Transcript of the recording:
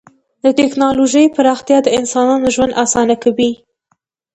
د ټکنالوژۍ پراختیا د انسانانو ژوند اسانه کوي.